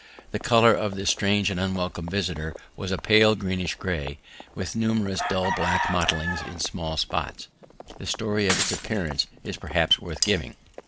The colour of this strange and unwelcome visitor was a pale greenish grey, with numerous dull black mottlings and small spots. The story of its appearance is perhaps worth giving.